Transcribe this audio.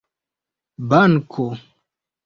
banko